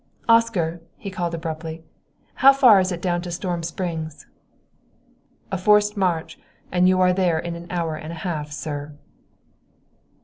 "Oscar," he called abruptly, "how far is it down to Storm Springs?" "A forced march, and you are there in an hour and a half, sir."